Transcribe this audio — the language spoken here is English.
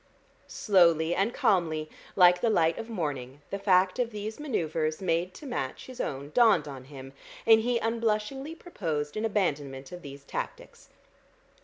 Slowly and calmly, like the light of morning, the fact of these manoeuvres made to match his own dawned on him, and he unblushingly proposed an abandonment of these tactics.